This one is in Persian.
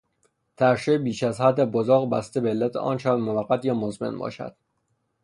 ترشح بیش از حد بزاق بسته به علت آن شاید موقت یا مزمن باشد